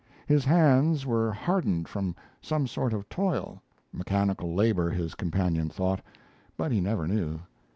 His hands were hardened from some sort of toil mechanical labor, his companion thought, but he never knew.